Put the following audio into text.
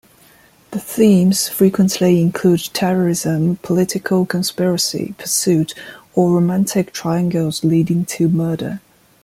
The themes frequently include terrorism, political conspiracy, pursuit, or romantic triangles leading to murder.